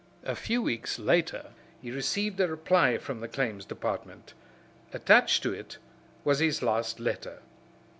A few weeks later he received a reply from the Claims Department. Attached to it was his last letter.